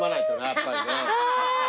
やっぱりな。